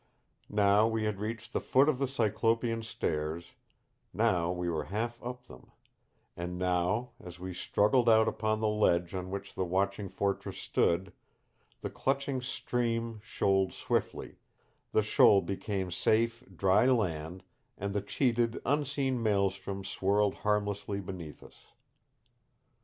Now we had reached the foot of the cyclopean stairs, now we were half up them and now as we struggled out upon the ledge on which the watching fortress stood, the clutching stream shoaled swiftly, the shoal became safe, dry land and the cheated, unseen maelstrom swirled harmlessly beneath us.